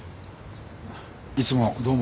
いつもどうも。